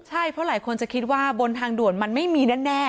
ใช่เพราะหลายคนจะคิดว่าบนทางด่วนมันไม่มีแน่